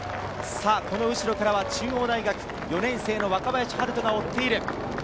さぁ後ろからは中央大学４年生の若林陽大が追っている。